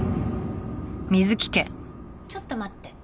ちょっと待って。